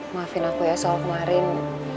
maafin aku ya soal kemarin